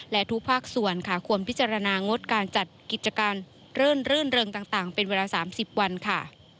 และทุกภาคส่วนค่ะควรพิจารณางดการจัดกิจการรื่นรื่นเริงต่างเป็นเวลา๓๐วันค่ะ